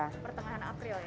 pertengahan april ya